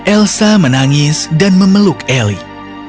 elsa menangis dan memeluk eli